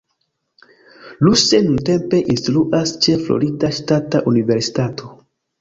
Ruse nuntempe instruas ĉe Florida Ŝtata Universitato.